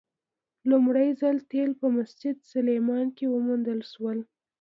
لومړی ځل تیل په مسجد سلیمان کې وموندل شول.